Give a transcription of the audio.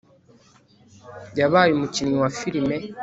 yabaye umukinnyi wa filime